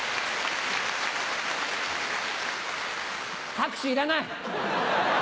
拍手いらない！